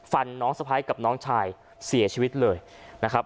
น้องสะพ้ายกับน้องชายเสียชีวิตเลยนะครับ